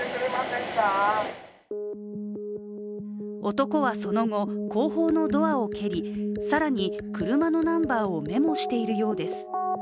男はその後、後方のドアを蹴り更に車のナンバーをメモしているようです。